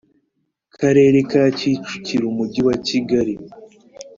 Karere ka kicukiro umujyi wa kigali